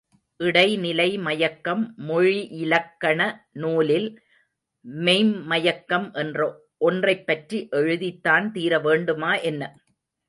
இடைநிலை மயக்கம் மொழியிலக்கண நூலில், மெய்ம்மயக்கம் என்ற ஒன்றைப்பற்றி எழுதித்தான் தீர வேண்டுமா என்ன?